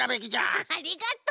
ハハありがとう。